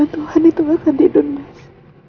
tuhan itu gak akan tidur mas